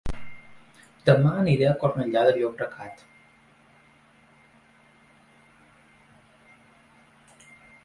Dema aniré a Cornellà de Llobregat